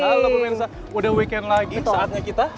halo pemirsa udah weekend lagi saatnya kita